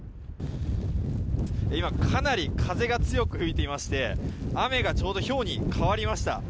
今、かなり風が強く吹いていまして雨がちょうどひょうに変わりました。